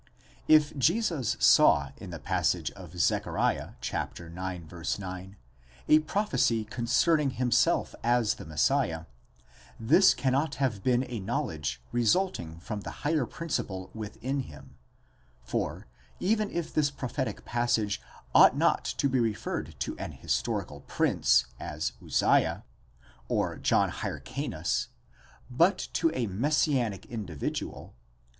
If Jesus saw in the passage of Zechariah (ix. 9),}8 a prophecy concerning himself as the Messiah, this cannot have been a knowledge result ing from the higher principle within him ; for, even if this prophetic passage ought ποῖ to be referred to an historical prince, as Uzziah,!® or John Hyrca nus,"?? but to a messianic individual,*!